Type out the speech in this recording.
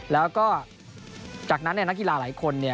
แล้วก็จากนั้นนักกีฬาหลายคน